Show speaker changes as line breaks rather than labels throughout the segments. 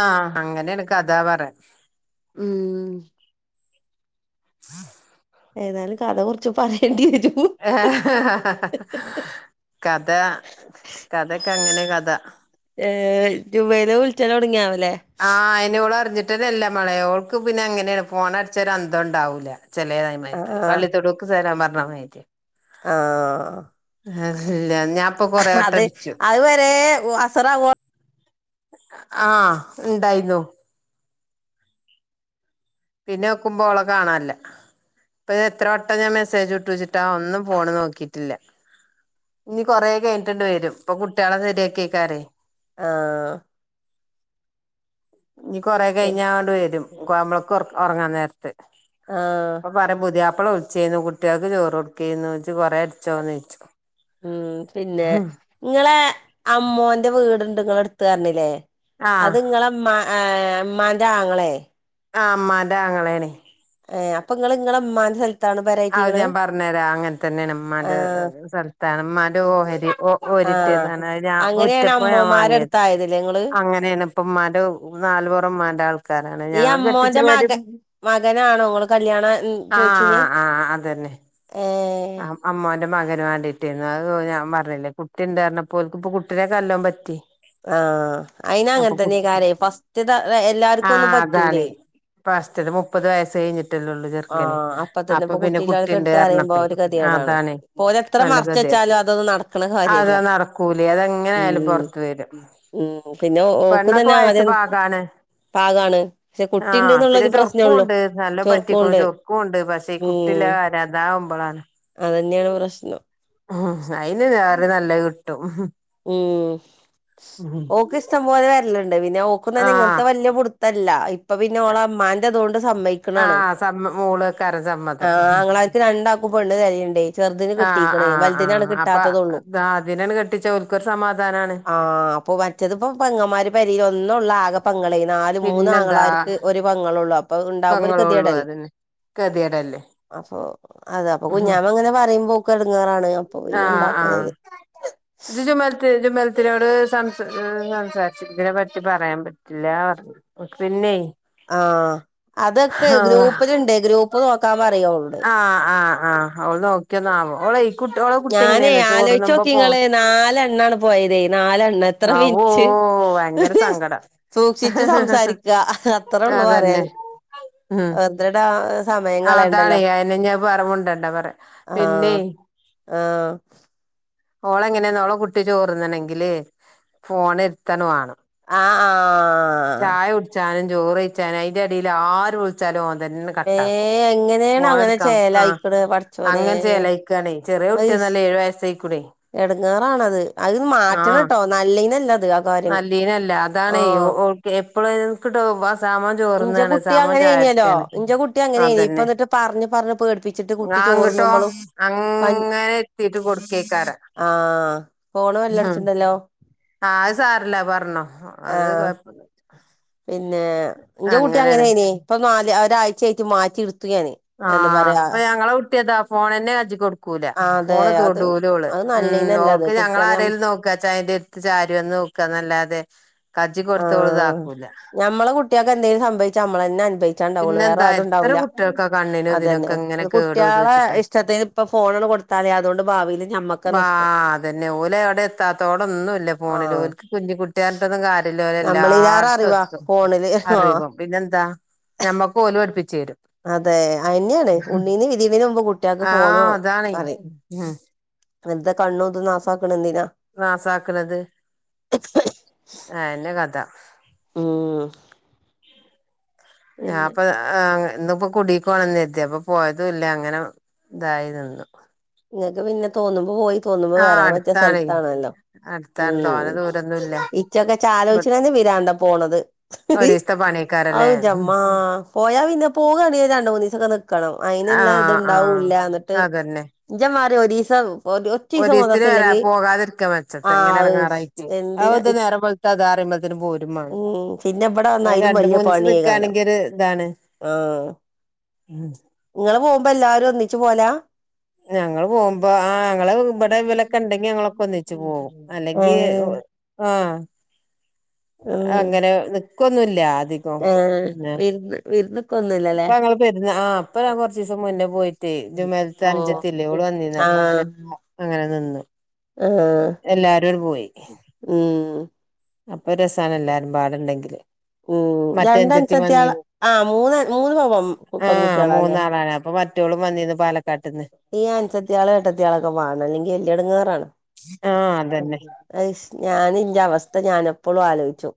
ആഹ്അങ്ങനെ എനക്ക് അതാ പറയാൻ
ഉം
[inaudible]
ഏതായാലും കഥ കുറച്ച് പറയേണ്ടി വരൂ
ആഹ് ഹ ഹ ഹ കഥ കഥക്ക അങ്ങനെ കഥ
ഏ ടു മൈല വിളിച്ചാൻ തുടങ്ങിയാ
ആഹ് അയിനോള് അറിഞ്ഞിട്ടന്നെ അല്ല മള യോൾക്ക് പിന്നെ അങ്ങനെയാണ് ഫോണടിച്ച ഒരന്തവും ഉണ്ടാവൂല ചെല നായന്മാർക്ക്
ആഹ്
പള്ളിത്തോടൊക്കക്ക് സലാം പറഞ്ഞമാതിരിയാ
ആഹ്
ആഹ് ഇല്ല നി
അത അതുവരെ അസറാവോ
ആഹ് ഉണ്ടായിരുന്നു പിന്നെ നോക്കുമ്പോ ഓളെ കാണാനില്ല ഇന്നലെ എത്ര വട്ടം ഞാൻ മെസ്സേജ് വിട്ട് വെച്ചിട്ടാ ഒന്നും ഫോണ് നോക്കിയിട്ടില്ല ഇനി കൊറേ കഴിഞ്ഞിട്ടണ്ട് വരും ഇപ്പൊ കുട്ടികളെ ശരിയാക്ക കേക്കാരേ
ആഹ്
ഇനി കൊറ കഴിഞ്ഞ ആള് വരും നമ്മളക്ക് ഉറങ്ങാൻ നേരത്ത്
ആഹ്
പറയും പുതിയാപ്പള വിളിച്ചിന്നു കുട്ടികൾക്ക് ചോറ് കൊടുക്കെന്ന് ചെച്ച്ച് കൊറെ അടിച്ചോന്ന് ചോദിച്ചു
ഉം പിന്നെ നിങ്ങളെ അ മ്മോന്റെ വീടുണ്ട് നിങ്ങള എടുത്ത് പറഞ്ഞില്ലേ
ആഹ്
അത്ങ്ങളെ ഉമ്മാ ഉമ്മാന്റെ ആങ്ങളെ
ആ ഉമ്മാന്റെ ആങ്ങളേണെ
ഏ അപ്പൊ നിങ്ങ നിങ്ങളെ ഉമ്മാൻ്റെ സ്ഥലത്ത്
അത് ഞാൻ പറഞ്ഞു തരാം അങ്ങനെ തന്നെയാണ് ഉ മ്മാൻ്റെ
ആഹ്
സ്ഥലത്താണ് ഉമ്മാന്റെ ഓഹരി ഓ
ആഹ്
ഒരിട്ടതാണ് ഞാൻ മുറ്റപ്പോ ഞാൻ വാങ്ങിയത്
ആയി നിതിനിങ്ങ ബ്
അങ്ങനെയാണ് ഇപ്പ ഉമ്മാന്റെ നാലപോറമമാന്റെ ആൾക്കാരാണ്
ഈ
ഞങ്ങൾ കെട്ടിച്ച
അമ്മോന്റെ മക
പേരിം
മകനാണോ ങ്ങള്ൾ കല്യാണം ചോയിച്ചന്
ആഹ്
ഏ
ആം അമ്മോന്റെ മകന് വാണ്ടീട്ട് അത് ഞാൻ പറഞ്ഞിലെ കുട്ടിണ്ട് പറഞപ്പോ ഓൽക്ക് ഇപ്പൊ കുട്ടിനക്കെ നല്ലോം പറ്റി.
ആഹ് അയിന്
അപ്പൊ
അങ്ങനെ തന്നെ
കുട്ടി
കാരയ് ഫസ്റ്റ് എല്ലാർക്കും ഒന്നും പറ്റൂലേ
ഫസ്റ്റ് മുപ്പത് വയസ് കഴിഞ്ഞിട്ടല്ലേള്ളൂ
ആഹ് അപ്പൊ തന്നെപ്പോ കുട്ടയില ആളെകെട്ട പറിയുമ്പോ
പറഞ്ഞപ്പേ
അവര് കദേടാണ്
അതാണ്
പോതെത്ര
നല്ല
മറച്
ഗതികേട്
വെച്ചാലും അതൊന്നും നടക്കണ കാര്യല്ല
അതാ നടക്കൂലേ
ഉ
അതെങ്ങനായാലും പൊറത്ത് വരും
ഉം പിന്നെ ഓക്ക്
പെണ്ണൊക്കെ
തന്നെ
വയസ്സ്
ആദ്യം
പാകാണ്
പാകാണ് പക്ഷെ കുട്ടിണ്ട്
ആഹ്
എന്നുള്ള
പിന്നെ
ഒരു
ചൊറുക്കും
പ്രശ്നേള്ളു
ഉണ്ട് നല്ലോ പറ്റിക് ണു ചൊർക്കുംണ്ട് പക്ഷേ ഈ കുട്ടില്ല
ഉം
കാര്യതാവുമ്പോളാണ്
അതന്നെയാണ് പ്രശ്നം.
ഉ അയിന് വേറെ നല്ലത് കിട്ടും
ഉം ഓക്ക് ഇഷ്ടം പോലെ വരലുണ്ട് പിന്നെ ഓക്കുംതന്നെ
ആഹ്
ഇങ്ങനത്തെ വലിയ പുടു പുട്ത്തല്ല ഇപ്പൊ പിന്നെ ഓളെ ഇമ്മാന്റെ അതുകൊണ്ട് സമ്മയിക്കണാണ്
ആഹ് സമ്മ മോളേക്കാരം സമ്മതം
ആങ്ങള രണ്ടാക്കുംപെണ്ണ് തരയണ്ടേ ചെറുതിന് കിട്ടീ ക്കുണു വലുതിനാണ് കിട്ടാത്തതുള്ളൂ.
ഇതാതിനണ് കെട്ടിച്ച ഓൽക്കൊരു സമാധാനണ്.
ആ അപ്പൊ മറ്റത്പ്പോ പെങ്ങന്മാര് പെരീല് ഒന്നൊള്ളാകെ. പങ്ങളേ നാല്
പിന്നെന്താ
മൂന്ന്ങ്ങളാർക്ക് ഒരു പെങ്ങളള്ളു അപ്പൊ ഉണ്ടാകുമ്പോ ഒരു
പെങ്ങളുള്ളൂ
ഗതികേടല്ലേ
അതന്നെ ഗതികേടല്ലേ
അപ്പൊ അത അപ്പൊ കുഞ്ഞാമ ങ്ങനെ പറിമ്പോ ഓക്ക് എട്ങ്ങേറാണ്.
ആഹ് ആഹ്. ജ് ജുമൽത്ത് ജുമൽത്തിനോട് സംസ സംസാരിച്ച് ഇതിനെ പറ്റി പറയാൻ പറ്റില്ല ർഞ്ഞു. പിന്നേ
ആഹ് അതൊക്കെ
അള്ളാഹ്
ഗ്രൂപ്പ്ല്ണ്ട് ഗ്രൂപ്പ് നോക്കാ പറിയോളോട്.
ആഹ് ആഹ് ആഹ് ഓള് നോക്കി നാവോ ഓളെ കുട്ടി ഓളെ കുട്ടി എങ്ങനെന്ന ചോറ് നുമ്പോ പോണ്
നാലണ്ണാണ് പോയത് നാലെണ്ണ എത്ര
ആവോ
മിൻറ്റ്
ഭയങ്കര സങ്കടം
സൂക്ഷിച്ച് സംസാരിക്ക അത്രേ ഉള്ളൂ
അതന്നെ
പറയാന്.
ഉം
വെർതടാ സമയം
അതാണ്
കളയണ്ടല്ലോ
അയന്നെ ഞാൻ പറ മുണ്ടണ്ട പറയാ
ആഹ്.
പിന്നെ
ആഹ്
ഓളെ എങ്ങനെന്നോ ഓളെ കുട്ടി ചോർന്നണെങ്കില് ഫോണര്
ആഹ് ആഹ്
ചായ കുട്ച്ചാനും ചോറ് വെയ്ച്ചാന അയിന്റെ എടേൽ ആര് വ്ൾച്ചാലും ഓൻതന്ന
ഏ
കട്ടാക്കും
എങ്ങനെയാണ് അങ്ങനെ
ഫോണട്ക്കാം ആഹ്
ചേലായിക്കണ് പടച്ചോനെ
അങ്ങനെ ചേലായ്. ക്കണേ ചെറിയ
അയ്ഷ്
കുട്ട്യന്നല്ല ഏഴ് വയസ്സയിക്കുണെയ്
എടങ്ങേറാണത് അഹ് മാറ്റണട്ടോ നല്ലേ നല്ലത് അഹ്
നല്ലേ നല്ല അതാണ് ഒ ഓൾക്ക് എപ്പഴു ക്ക്ട്ടോ വ സാമാ
ഇഞ്ച കുട്ടി അങ്ങനേനില്ലോ ഇഞ്ച കുട്ടി അങ്ങനെനി പ്പ ന്ന്ട്ട് പർഞ്ഞ് പർഞ്ഞ് പേട്പ്പി
ങ്ങാ ങ്ങ്ട്ടോ അങ്ങനെ ഇത്തിട്ട് കൊട്ക്കേക്കാരം.
ആഹ് ഫോണ് ബെല്ലട്ച്ച്ണ്ടല്ലോ.
ആഹ് അഹ് സാരല്ല പർഞ്ഞോ അത്
ആഹ്
കൊഴപ്പല്ല.
പിന്നെ ഇന്റെ കുട്ടി
അങ്ങനെയാണ്
അങ്ങനേനി പ്പ നാല് ഒരാഴ്ചയായിട്ട് മാറ്റി ഇട്ത്തു ഞാന്. എന്താ
ആഹ്
പറയാ
ഇപ്പ ഞങ്ങളെ കുട്ട്യതാ ഫോണന്നെ കജ്ജി കൊട്ക്കൂല
ആഹ് അതെ
ഫോണ്
അത്
തൊടൂ ൾ
അത്
ഉം
നല്ലീനല്ല അത്
ഓൾക്ക്
കുട്ടികളെ ഞ
ഞങ്ങളാരേലും നോക്കാ ച അയിന്റെ ട്ത്ത് ചാരി വന്ന് നോക്കന്നല്ലാതെ. കജ്ജ് കൊട്ത്ത
ആഹ്
ഓള്താക്കൂല.
ഞമ്മളെ കുട്ട്യേക്ക് എന്തെലും സംഭവിച്ച നമ്മളന്നെ അൻഭ ച്ചാണ്ടാവുള്ളൂ വേറെ
പിന്നെന്താ
ആരും
എത്ര
ണ്ടാവൂല
കുട്ടികൾക്കാ കണ്ണിനും
അതന്നെ
ഇതിനൊക്കെ ഇങ്ങനെ
ഇത്
കേട് വന്ന്
കുട്ട്യാളെ
വെച്ചിട്ടാ
ഇഷ്ടത്തിന് ഇപ്പ ഫോണാണ്ട് കൊട്ത്താൽ അതുകൊണ്ട് ഭാവിൽ ഞമ്മക്ക
വാ
നഷ്ടം
അതന്നെ ഓല്
ആഹ്
കുഞ്ഞിക്കുട്ടിയാര്തന്നും കാര്യല്ല ഓല് എല്ലാട്ത്തും എത്തും.
ഫോണ്ൽ ആഹ്
അറിവും പിന്നെന്താ? ഞമ്മക്ക് ഓല് പട്പ്പിച്ച് രും.
അതെ അഹന്നെയാണ് ഉണ്ണീന്ന് വിരിയുന്നെനു മുമ്പ് കുട്ട്യേക്ക് ഫോൺ
ആഹ് അതാണേ
അറിം.
ഉം
വെർതെ കണ്ണും തും നാസാ ക്ക്ണ എന്തിനാ.
നാസാക്ക്ണത് അഹന്നെ കഥ.
ഉം.
ഞാ
പിന്നെ
പ്പ ആഹ് ഇന്ന് ഇപ്പൊ കുടി ക്ക് പോണംന്ന് കര്തി അപ്പൊ പോയതുംല്ല അങ്ങനെ തായി നിന്നു.
ഇങ്ങക്ക് പിന്നെ തോന്ന്മ്പോ പോയി തോന്ന്മ്പോ
ആഹ്
വരാൻ പറ്റ്യ
അടുത്താണേ
സ്ഥൽത്താണല്ലോ.
അടുത്താണ്
ഉം
തോനെ ദൂരൊന്നുല്ല
ഇച്ചൊക്കെ ചാലോച്ച്ണന്നെ പിരാന്താ പോണത്.
ഒരീസത്തെ പണിയേക്കാരല്ലേ
അഹ് ന്റമ്മാ. പോയാ പിന്നെ പോകാണെൽ രണ്ട് മൂന്നിസൊക്കെ ന്ന്ക്കണം അയിന്ള്ള ഇത്ണ്ടാവൂല്ല ന്ന്ട്ട് ഒറ്റീസം
ഒരി
മദ്രസ
സ്ത്തിന് വരാ
ഇല്ലെങ്കി
പോകാതിരിക്കാ മെച്ചം ഇങ്ങനെ
ആഹ്
എടങ്ങേറായി.
എന്തിനാ
അഹക്കെ നേരം വെള്ത്ത ദാ റിമ്പ പോരും മാണം
ഉം പിന്നെ ഇവിടെ വന്നാ അയിലും
രണ്ട്,
വലിയ
മൂന്ന് സം
പണിയേകാരം
നിക്കാണെങ്കി ഒരു താണ്.
ആഹ്
ഉം
ങ്ങള് പോവുമ്പോ എല്ലാരും ഒന്നിച്ച് പോവല?
ഞങ്ങൾ പോവുമ്പോ ആഹ് ങ്ങള് ഇവടെ ഇവലൊക്കെ ണ്ടെങ്കി ഞങ്ങളൊക്കെ ഒന്നിച്ച് പോകും അല്ലെങ്കി
ഏഹ്
ആഹ്,
ഉം
അങ്ങനെ നിക്കൊന്നുല്ല അധികം. പിന്നെ
വിര്‌ന്ന്‌ വിരുന്ന് ക്കൊന്നുല്ലലെ
ഇപ്പൊ ങ്ങങ്ങള് പെരുന്ന ആ അപ്പൊ ഞാൻ കുറച്ച് ദിവസം മുന്നേ പോയിട്ടയ് ജുമൈ ത അഞ്ചത്തില്ലെ
ഓഹ്
ഓള് വന്നിന്ന് അപ്പൊ
ആഹ്
അങ്ങനെ അങ്ങനെ നിന്നു.
ആഹ്
എല്ലാരും അട് പോയി
ഉം
അപ്പൊ രസാണ് എല്ലാരുംപാടെണ്ടെങ്കില്.
ഉം, രണ്ടൻസത്തിയാള ആ മൂന്ന് അൻ മൂന്ന് പെൺമ
ആഹ്, മൂന്നാളാണ് അപ്പൊ മറ്റോളും വന്നിന്ന് പാലക്കാട്ട്ന്ന്.
ഈ അൻസത്തിയാള് എട്ടത്തിയാളൊക്കെ വാണം. ഇല്ലെങ്കി വല്ല്യടങ്ങേറാണ്.
ആഹ് അതെന്നെ.
അയ്ഷ്, ഞാന് ഇന്റെ അവസ്ഥ ഞാന് എപ്പളും ആലോയ്ച്ചും.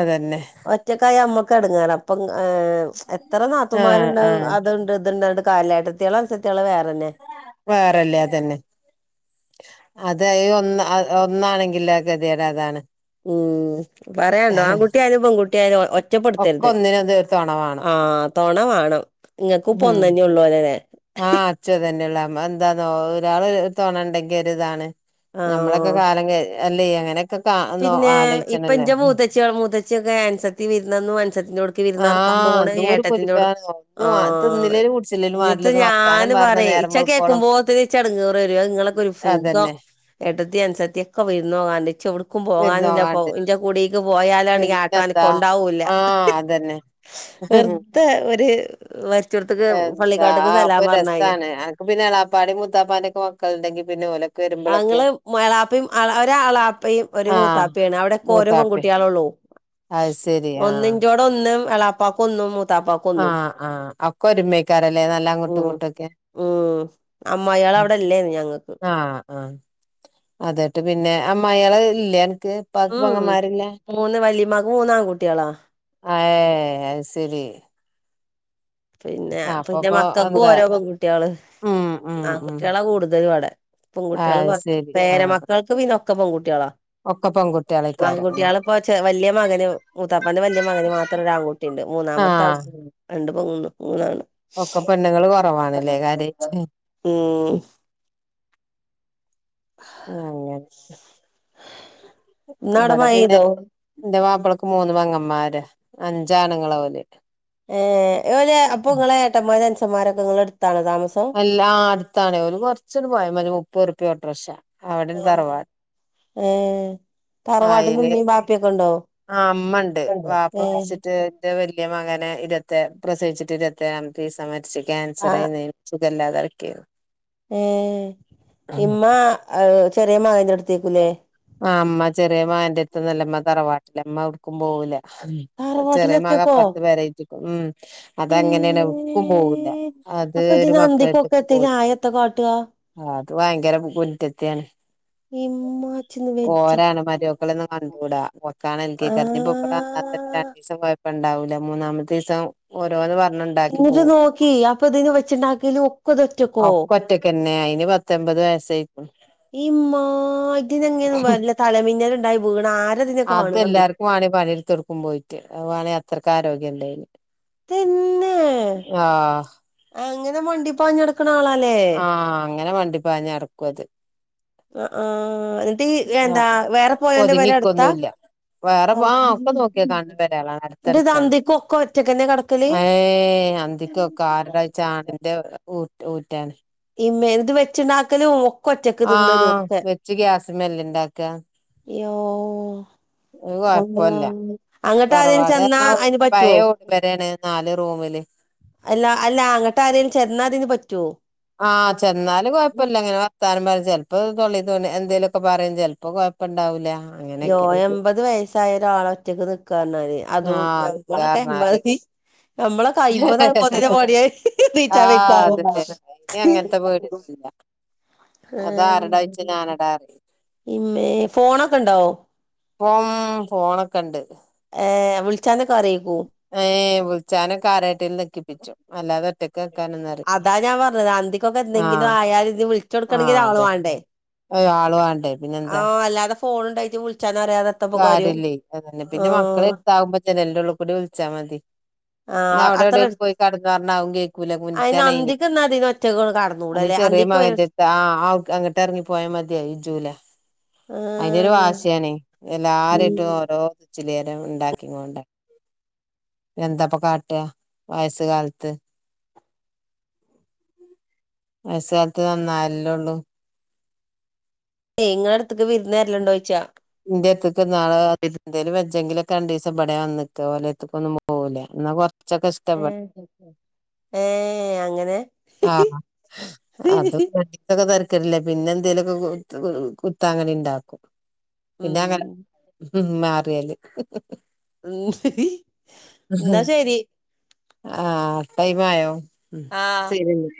അതന്നെ.
ഒറ്റക്കായ ഞമ്മക്ക് എടങ്ങേറ അപ്പം ഏ... എത്ര
ആ
നാത്തുമാരുണ്ട്
ആ
അത്ണ്ട് ഇത്ണ്ട്ന്ന് പറഞ്ഞിട്ട് കാര്യല്ല ഏട്ടത്തിയാള് അൻസത്തിയാള് വേറെന്നെ.
വേറെല്ലേ അതന്നെ. അത് ഈ ഒന്ന് അ ഒന്നാണെങ്കിൽള്ള കേത്യേട് അതാണ്.
ഉം, പറ്യാണ്ടോ ആൺകുട്ടിയായാലും പെൺകുട്ടിയായാലും
ഒക്കെ
ഒറ്റപ്പെടുത്തരുത്.
ഒന്നിനും തീർത്തോണ വാണം
ആഹ്, തൊണ മാണം. ഇങ്ങക്കുംപ്പ
ഉം
ഒന്ന്തന്നെ ഒള്ളോല്ലലെ.
ആഹ് ഇച്ച് ഇത് തന്നെയള്ളൂ നമ്മള് എന്താന്നോ ഒരാള് തൊണണ്ടെങ്കി ഒരി ഇതാണ്. ഞമ്മളെ ക്കെ
ആഹ്
കാലം അല്ലേയ് അങ്ങനെയൊക്കെ കാ ന്നൊ ആലോയ്ച്ചണല്ലൊ.
ച്ചിയാളും മൂത്തച്ചിയൊക്കെ അൻസത്തി വിരുന്നന്നു, അൻസത്തിന്റോട് ക്ക് വിരുന്നാർക്കാൻ
ആഹ്
പോണ്
എന്തോരു
ഏട്ടത്തിന്റെോട്
പൊലിവാന്നോ
ആ
ഒന്നും തിന്നില്ലേലും കുടിച്ചില്ലേലും
ങ്ങത്ത്
വേണ്ടില്ലന്ന് വർത്താനം
ഞാന്
പറഞ്ഞ
പറിയേ
നേരം
ഇച്ചത്
വെളുക്കോളം
കേൾക്കുമ്പോൾത്തിന് ഇച്ച് എടങ്ങേറ് വരുയ്. ഇങ്ങളൊക്കൊരു സുഖം.
അതന്നെ
ഏട്ടത്തി അനുസത്തി ഒക്കെ വിരുന്നോവാണ്ട്. ഇച്ച് എവിട്ക്കും പോകാനുല്ലപ്പം.
വിരുന്നോകാണ്ട്
ഇന്റെ കുടീക്ക് പോയാലാണങ്കി ആട്ട അനക്കം
പിന്നെന്താ
ഉണ്ടാവുല്ല,
ആഹ് അതന്നെ
വെറു തെ ഒരു മരിചോട്ത്ത്ക്ക് പള്ളിക്കാട്ട്ക്ക് സലാം പറഞ്ഞരിയ
പ്പ പിന്നെ എളാപ്പാന്റിം മുത്താപ്പാന്റിം ഒക്കെ മക്കളുണ്ടെങ്കി പിന്നെ ഓലെ
ആങ്ങള് മ എളാപ്പിം അ എൾ ഒരു എളാപ്പയും ഒരു
ആഹ്
മൂത്താപ്പിയാണ്. അവിടെക്കെ ഓരു
മൂത്താപ്പേം
പെൺകുട്ടിയളുള്ളൂ.
അത് സെരി ആ
ടെഒന്ന് എളാപ്പാക്ക ഒന്നും മൂ
ആഹ് ആഹ് ഒക്കെ ഒരുമയ്ക്കാരല്ലേ നല്ല അങ്ങട്ടും
ഉം
ഇങ്ങട്ടും ഒക്കെ.
ഉം, അമ്മായിയേള് അവിടെ ഇല്ലെന്നും ഞങ്ങൾക്ക്.
ആഹ് ആഹ്, അതട്ട് പിന്നെ അമ്മായിയേള് ഇല്ലേ അൻക്?
[unintelligible] മൂന്ന് വല്ലിമ്മാക് മൂന്ന് ആൺ കുട്ടിയളാ.
അ ഏഹ്, അത് സെരി
പിന്നെ പിന്നെ
അപ്പപ്പൊ
മക്കക്കും
എന്താ
ഓരോ പെൺകുട്ടിയള്,
ഉം ഉം ഉം
ആൺകുട്ടിയളാ കൂടുതല് ഇവടെ പെൺകുട്ടിയള്
അത്
കൊറവ.
ശരി
പേര
ആഹ്
മക്കൾക്ക് പിന്നൊക്കെ പെൺകുട്ടിയളാ
ഒക്കെ പെൺകുട്ടി-
ആൺകുട്ടിയാളിപ്പൊ ചെ വല്ല്യ മകന് മൂത്താപ്പാന്റെ വല്ല്യ മകന് മാത്രം ഒരു ആൺകുട്ടിണ്ട്. മൂന്നാമത്തെ
ആഹ്
രണ്ട് പെണ്ണും മൂന്ന് ആണും.
ഒക്കെ പെണ്ണുങ്ങള് കൊറവാണ്ല്ലേ കാര്യയിറ്റ്
ഉം
ആഹ് അങ്ങനെ
ഇന്നവിടെ
ഇവടെ
മഴ
പിന്നെ.
പെയ്തോ
ഇന്റെ മാപ്പളക്ക് മൂന്ന് പെങ്ങന്മാരാ, അഞ്ചാണുങ്ങളാ ഓല്.
ഏഹ്, ഓലെ അപ്പൊ ഇങ്ങളെ ഏട്ടന്മാർ അൻസൻമാരൊക്കെ ഇങ്ങളെ അടുത്താണോ താമസം.
ഇല്ലാ ആ അടുത്താണ്. ഒരു കൊറച്ചണ്ട് പോയ മതി. ഒരു മുപ്പത് ഉർപ്യ ഓട്ടർക്ഷ അവിടെണ് തറവാട്.
ഏഹ് തറവാട്ടില്
അയില്
ഇമ്മിം വാപ്പിയൊക്കെണ്ടോ?
ആ ഇന്റെ വല്ല്യ മകനെ ഇരത്തെ പ്രസവിച്ചിട്ട് ഇരുപത്തെഴാമത്തെ ദിവസ മരിച്ചത്.
ആ
ക്യാൻസർ ഏന്ന്. സുഖല്ലാതെ കെടക്കേന്നു.
ഏഹ് ഇമ്മ ചെറിയ മകന്റെ ഏടുത്തേക്കൂല്ലേ
ആഹ് ഇമ്മ ചെറിയ മകന്റെ അടുത്തൊന്നു അല്ല ഇമ്മ തറവാട്ടിലാ ഇമ്മ എവുടുക്കും പോവൂല
തറവാട്ടില്
ചെറിയ മകനാ
ഒറ്റക്കോ
അപ്പുറത്ത് പേര കേറ്റിക്ക്ണ് ഉം അത് അങ്ങെനെണ്
ഇമ്മേ
എവുട്ക്കും പോവൂല്ല അത്
അപ്പൊ
ഒരു
ഇതിന് അന്തിക്കൊക്കെ
മക്കളെടുത്തുക്കും
എത്തിയില്ലേ
പോവൂല
ആയ എത്ത കാട്ടുക
ആഹ് അത് ഭയങ്കര കുറ്റത്തിയാണ്
ഹിമ്മ
പോരാണ് മരുവക്കളെന്നും കണ്ടൂട കൊക്കാണ് എനിക്ക് കഞ്ഞപ്പൊ [inaudible] ഇബടെ വന്നാ തന്നെ
ആഹ്
രണ്ടീസം ഇണ്ടാവൂല്ല മൂന്നാമത്തെ ദിവസം ഓരോന്ന് പറഞ്ഞ
ഇങ്ങട്ട് നോക്കി അപ്പൊ ഇതിന് വെച്ചുണ്ടാക്കല് ഒകെ ഇത് ഒറ്റക്കോ
കെന്നെ അയിന് പത്ത് എൻമ്പത്ത് വയസായിക്ക്ണ്
ഇമ്മാ ഇതിനങ്ങെനെ വല്ല തലമിന്നൽ ഉണ്ടായി വീണാ ആര ഇതിനൊക്കെ
അത്
കാണണേ ഇതി
എല്ലാർക്കും വാണേ പണിട്ത്തൊട്ക്കും പോയിറ്റ്. അഹ് വാണേ അത്രക്ക് ആരോഗ്യണ്ടയ്ന്.
തന്നെ
ആഹ്
അങ്ങനെ വണ്ടി പാഞ്ഞു നടക്ക്ണെ ആളാ
ആഹ് അങ്ങനെ വണ്ടിപ്പാഞ് നടക്കും അത്
ആഹ് എന്നിട്ട് ഈ എന്താ
ആഹ്
വേറെ പോയോന്റെ പേര അടുത്താ
ഒതുങ്ങിക്കൊന്നുല്ല വേറെ ആ ഒക്കെ നോക്കിയാ കാണ് ണ പെരേളാണ്
എന്നിട്ട്
അടുത്തടുത്താണ്
അന്തിക് ഒകെ ഒറ്റകെന്നെ കട്
ഏഹ് അന്തിക്കൊക്കെ ആരട് [unintelligible]
ഇമ്മേ ന്നിട്ട് വെച്ചുണ്ടാക്കലും ഒകെ തിന്നലും
ആഹ്
ക്കെ
വെച്ച് ഗ്യാസ്മ്മല്ലേ ഇണ്ടാക്ക
അയ്യോ
ഒരു
അള്ളാഹു
കൊഴപ്പല്ല
വെ അങ്ങട്ട് ആരേലും ചെന്നാ അയ്ന് പറ്റുവോ
പേരെണ് നാല് റൂമില്
അല്ല അല്ല അങ്ങേട്ട് ആരേ ചേന്ന ഇതിന് പറ്റുവോ
ആഹ് ചെന്നാല് കൊഴപ്പയില്ല ഇങ്ങനെ വർത്താനം പറയും ചെലപ്പോ തൊളേ തോന്നിയെ എന്തേലൊക്കെ പറയും ചെലപ്പോ കൊയ പ്പം ഇണ്ടാവൂല
അയ്യോ എൺമ്പത് വയസായ ഒരാള് ഒറ്റക്ക് നിക്കാറഞാല് അതും
ആഹ്
ഞമ്മളൊക്കെ എമ്പത്
നിക്കാർഞ്ഞാല്
നമ്മള അയ്മ്പതാവുമ്പോത്തിനും പണിയായി ണീച്ചാൻ വെയ്ക്കോ
ആഹ്
ആവോ
അതന്നെ അയിന് അങ്ങനത്തെ പേടിയൊന്നുല്ല
ഏഹ്
അതാരടാ ചോയ്ച്ചാ ഞാനടാ പറയും
ഇമ്മേ ഫോണൊക്കെ ഉണ്ടോ
ഇപ്പം ഫോണൊക്കെണ്ട്
ഏഹ് വിൾച്ചാനൊക്കറിയ്ക്കും?
ഏഹ് വുൾച്ചാനൊക്കാരോണ്ടേലും നക്കിപ്പിച്ചും. അല്ലാത ഒറ്റ [unintelligible]
അതാ ഞാ പർഞ്ഞത് അന്തിക്കൊക്കെ എന്തെങ്കിലു ആയാല് ത് വിൾചോട്ക്കണെങ്കിൽ
ആഹ്
ഒരാള്
അതന്നെ
വാണ്ടേ?
ആള് വാണ്ടേ? പിന്നെന്താ
ആഹ് അല്ലാതെ ഫോണ് ഇണ്ടായിറ്റ് വുൾച്ചാനറിയാതെ.
കാര്യല്ലെയ്. അതെന്നെ പിന്നെ മക്കളെട്ത്താവുമ്പൊ ജെനല്ന്റുള്ളുക്കൂടി വുൾച്ചാ മതി. ന്നാ
ആഹ് അത്ര
അവുടെടേലും പോയി കട്ന്നോർഞ്ഞാ അ ഉം കേ
അയിന്
കുൻത്തനെയ്നി.
അന്തിക്ക് എന്നാ അതിന് ഒറ്റക്ക്
അതി
കടന്നൂടല്ലേ
ചെറി
അന്തിക്ക് വ
മകന്റെര്ത്ത് ആഹ് ഇട്ടെർങ്ങിപോയാ മതി അഹ് എജ്ജൂല. അയ്നൊരു
ആഹ്
വാശിയാണെയ് എല്ലാരെയ്ട്ടും. [unintelligible] ഇണ്ടാക്കിങ്ങോണ്ട്. എന്താപ്പൊ കാട്ട വയസ്സ് കാലത്ത്. വയസ്സ് കാലത്ത് നന്നായാലല്ലൊള്ളു.
ഇങ്ങളട്ത്ത്ക്ക് വിര്ന്നെര്ല്ണ്ടോയച്ച
ഇന്റെര്ത്തക്ക നാെന്തേൽ വെച്ചെങ്കില ഒക്ക രണ്ട് ദിവസം ഇവടെ വന്നിക്ക ഓലെ എടുത്ത് ക്ക് ഒന്നും പോ പോവൂലെ ന്നാ കൊർച്ചൊക്കെ ഷ്
ഏഹ് അങ്ങനെ
ആഹ് അത്. പ്പൊക്കെ തെര്ക്കട്ല്ല പിന്നെന്തേലു ഒക്കെ കുത്താങ്ങനീണ്ടാക്കും.
ഉം
പിന്നങ്ങനെ മ്മാറിയല്.
ഇന്നാ ശരി.
ആഹ് ടൈമായോ? ഉം
ആഹ്
സരിന്നാ